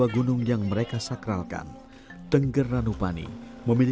sudah lama mereka diinalsps repairol